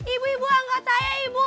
ibu ibu angkat saya ibu